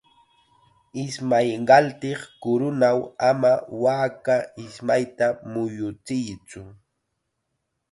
Ismay qaltiq kurunaw ama waaka ismayta muyuchiytsu.